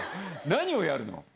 何をやるの？